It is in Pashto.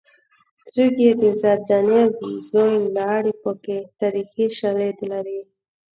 څوک یې د زرجانې زوی لاړې پکې تاریخي شالید لري